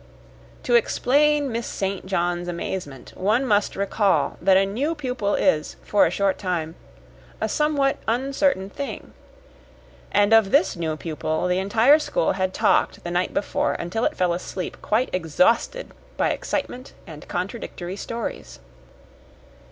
To explain Miss St. John's amazement one must recall that a new pupil is, for a short time, a somewhat uncertain thing; and of this new pupil the entire school had talked the night before until it fell asleep quite exhausted by excitement and contradictory stories.